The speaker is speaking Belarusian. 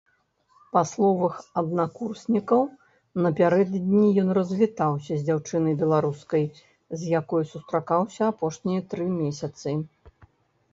Па словах аднакурснікаў, напярэдадні ён развітаўся з дзяўчынай-беларускай, з якой сустракаўся апошнія тры месяцы.